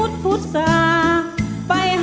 ใช้